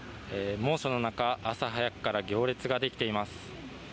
猛暑の中朝早くから行列ができています。